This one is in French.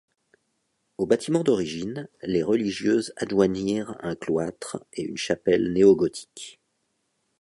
Aux bâtiments d'origine les religieuses adjoignirent un cloître et une chapelle néogothiques.